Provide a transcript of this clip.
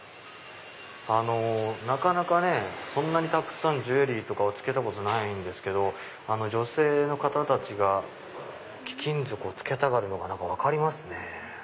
なかなかたくさんジュエリー着けたことないんですけど女性の方たちが貴金属を着けたがるのが分かりますね。